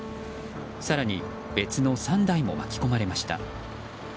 更に別の３台も巻き込まれました。